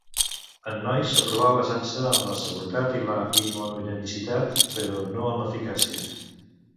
En nois s'aprovà basant-se en la seguretat i la immunogenicitat, però no en l'eficàcia.